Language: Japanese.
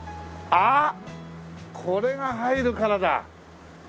ああっこれが入るからだ！